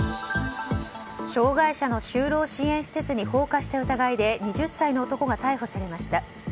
障害者の就労支援施設に放火した疑いで２０歳の男が逮捕されました。